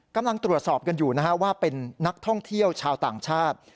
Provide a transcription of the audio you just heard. กำลังตรวจสอบกันอยู่นะฮะว่าเป็นนักท่องเที่ยวชาวต่างชาติ